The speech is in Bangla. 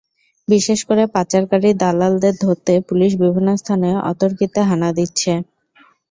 বিশেষ করে পাচারকারী দালালদের ধরতে পুলিশ বিভিন্ন স্থানে অতর্কিতে হানা দিচ্ছে।